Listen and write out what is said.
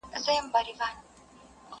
چي عبرت د لوى او کم، خان او نادار سي!!